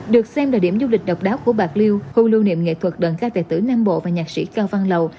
được xem là điểm du lịch độc đáo của bạc liêu khu lưu niệm nghệ thuật đơn ca tài tử nam bộ và nhạc sĩ cao văn lầu